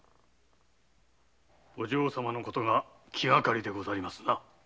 お嬢様のことが気がかりでございますな。